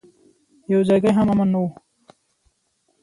يو ځايګى هم امن نه و.